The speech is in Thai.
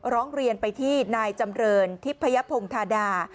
ร้องเรียนไปที่นายจำเรินทิพยพงธาดา